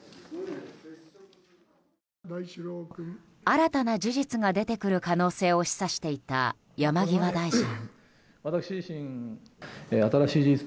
新たな事実が出てくる可能性を示唆していた山際大臣。